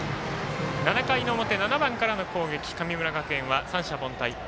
７回の表、７番からの攻撃神村学園は三者凡退。